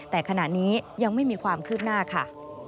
แต่ขณะนี้ยังไม่มีความคืบหน้าค่ะ